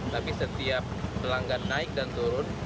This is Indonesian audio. tapi setiap pelanggan naik dan turun